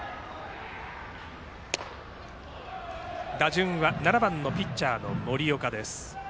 打順は７番ピッチャーの森岡。